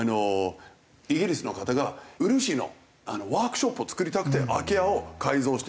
イギリスの方が漆のワークショップを作りたくて空き家を改造して。